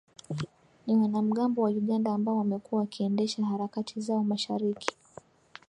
ni wanamgambo wa Uganda ambao wamekuwa wakiendesha harakati zao masharikI